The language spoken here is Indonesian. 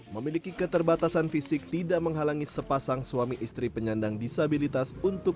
memiliki keterbatasan fisik tidak menghalangi sepasang suami istri penyandang disabilitas untuk